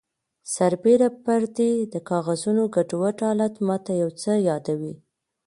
سربیره پردې د کاغذونو ګډوډ حالت ماته یو څه یادوي